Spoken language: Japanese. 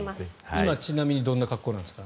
今、ちなみにどんな格好なんですか？